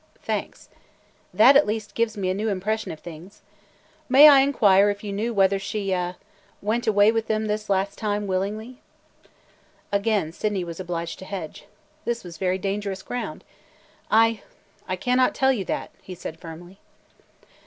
"Thanks. That at least gives me a new impression of things. May I inquire if you knew whether she – er – went away with them this last time willingly?" Again Sydney was obliged to hedge. This was very dangerous ground. "I – I cannot tell you that!" he said firmly.